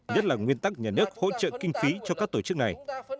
nhất là nguyên tắc nhà nước hỗ trợ kinh phí cho các tổ chức này